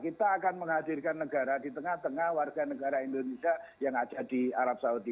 kita akan menghadirkan negara di tengah tengah warga negara indonesia yang ada di arab saudi